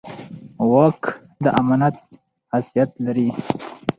واک د امانت حیثیت لري